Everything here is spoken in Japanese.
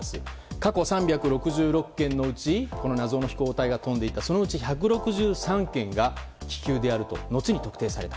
過去３６６件のうちこの謎の飛行体が飛んでいたそのうち１６３件が気球であると後に特定された。